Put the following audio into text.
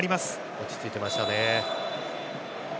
落ち着いていましたね。